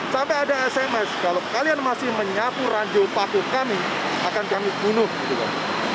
sampai ada sms kalau kalian masih menyapu ranjau paku kami akan kami bunuh gitu kan